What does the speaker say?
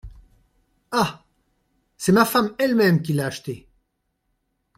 Ah ! c’est ma femme elle-même qui l’a acheté.